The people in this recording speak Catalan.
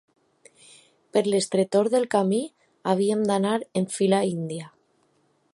Per l'estretor del camí, havíem d'anar en fila índia.